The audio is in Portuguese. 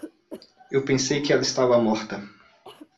Eu pensei que ela estava morta.